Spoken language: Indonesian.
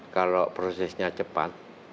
kalau prosesnya cepat